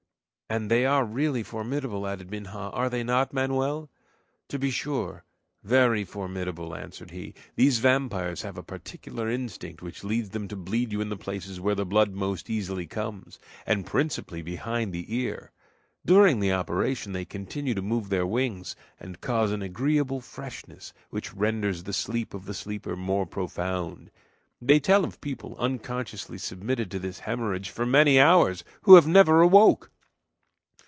"And they are really formidable," added Minha; "are they not, Manoel?" "To be sure very formidable," answered he. "These vampires have a particular instinct which leads them to bleed you in the places where the blood most easily comes, and principally behind the ear. During the operation they continue to move their wings, and cause an agreeable freshness which renders the sleep of the sleeper more profound. They tell of people, unconsciously submitted to this hemorrhage for many hours, who have never awoke!"